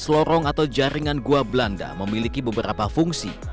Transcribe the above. lima belas lorong atau jaringan gua belanda memiliki beberapa fungsi